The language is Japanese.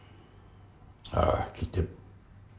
ああ聞いてる。